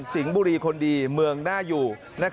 สิงห์บุรีคนดีเมืองน่าอยู่